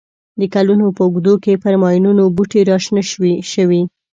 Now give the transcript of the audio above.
د کلونو په اوږدو کې پر ماینونو بوټي را شنه شوي.